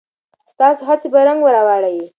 ستاسو هڅې به رنګ راوړي.